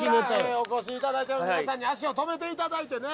お越しいただいてる皆さんに足を止めていただいてね。